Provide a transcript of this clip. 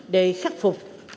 để khắc phục